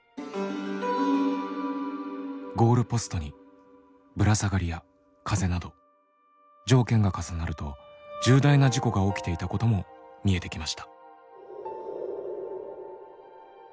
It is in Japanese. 「ゴールポスト」に「ぶら下がり」や「風」など条件が重なると重大な事故が起きていたことも見えてきました。